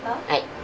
はい。